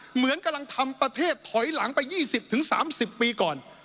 เหมือนกำลังทำประเทศถอยหลังไปยี่สิบถึงสามสิบปีก่อน